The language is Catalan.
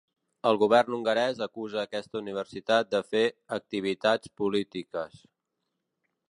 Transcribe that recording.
El govern hongarès acusa aquesta universitat de fer ‘activitats polítiques’.